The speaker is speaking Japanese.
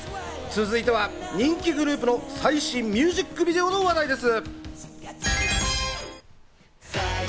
続いては人気グループの最新ミュージックビデオの話題です。